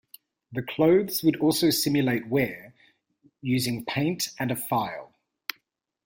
The clothes would also simulate wear using paint and a file.